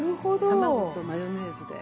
卵とマヨネーズで。